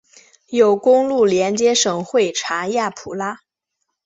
有公路连接省会查亚普拉。